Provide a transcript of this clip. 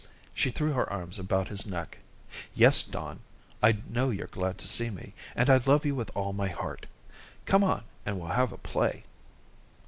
She threw her arms about his neck. "Yes, Don, I know you're glad to see me, and I love you with all my heart. Come on and we'll have a play."